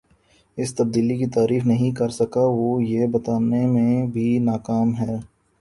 اس تبدیلی کی تعریف نہیں کر سکا وہ یہ بتانے میں بھی ناکام ہے